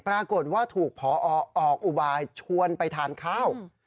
ปรากฏว่าถูกพอออกอุบายชวนไปทานข้าว